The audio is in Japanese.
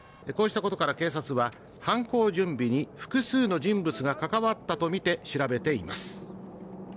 こうしたことから警察は犯行準備に複数の人物が関わったとみて調べています